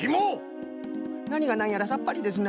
なにがなんやらさっぱりですな。